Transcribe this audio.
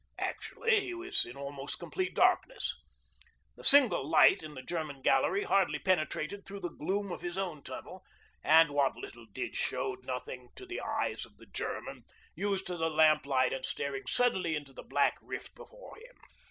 Actually he was in almost complete darkness. The single light in the German gallery hardly penetrated through the gloom of his own tunnel, and what little did showed nothing to the eyes of the German, used to the lamp light and staring suddenly into the black rift before him.